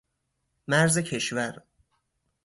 مرز کشور